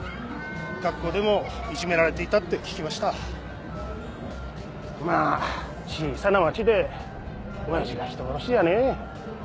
学校でもいじめられていたって聞きましたまぁ小さな町でおやじが人殺しじゃね